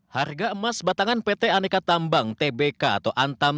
harga emas batangan pt aneka tambang tbk atau antam